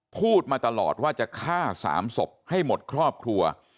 พูดมาตลอดว่าจะฆ่า๓ศพให้หมดครอบครัว